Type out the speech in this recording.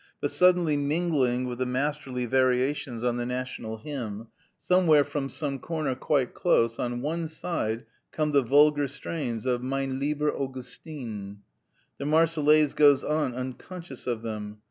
But suddenly mingling with the masterly variations on the national hymn, somewhere from some corner quite close, on one side come the vulgar strains of "Mein lieber Augustin." The "Marseillaise" goes on unconscious of them.